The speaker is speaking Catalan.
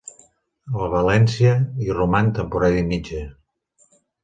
Al València hi roman temporada i mitja.